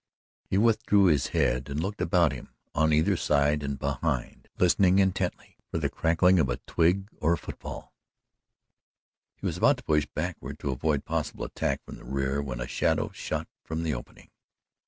He withdrew his head and looked about him on either side and behind listening intently for the cracking of a twig or a footfall. He was about to push backward to avoid possible attack from the rear, when a shadow shot from the opening.